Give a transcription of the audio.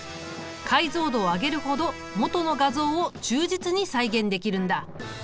解像度を上げるほど元の画像を忠実に再現できるんだ。